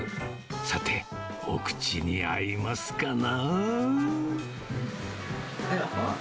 さて、お口に合いますかな？